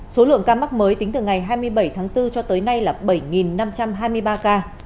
số lượng ca mắc mới tính từ ngày hai mươi bảy tháng bốn cho tới nay là bảy năm trăm hai mươi ba ca